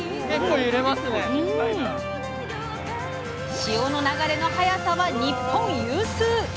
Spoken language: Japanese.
潮の流れの速さは日本有数！